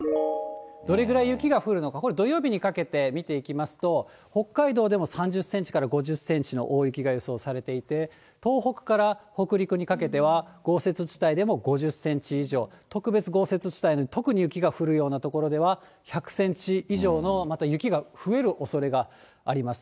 どれぐらい雪が降るのか、これ土曜日にかけて見ていきますと、北海道でも３０センチから５０センチの大雪が予想されていて、東北から北陸にかけては豪雪地帯でも５０センチ以上、特別豪雪地帯、特に雪が降るような所では、１００センチ以上の、また雪が増えるおそれがあります。